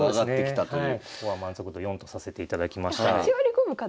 ここは満足度４とさせていただきました。